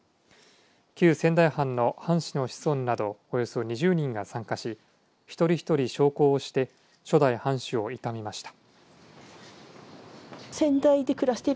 旧仙台藩の藩士の子孫などおよそ２０人が参加し一人一人焼香をして初代藩主をいたみました。